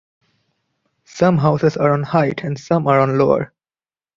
Some houses are on height and some are on lower.